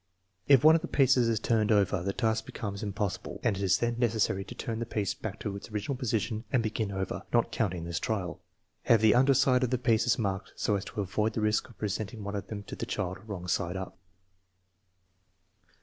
If one of the pieces is turned over, the task becomes im possible, and it is then necessary to turn the piece back to its original position and begin over, not counting this trial. Have the under side of the pieces marked so as to avoid the risk of presenting one of them to the child wrong side up.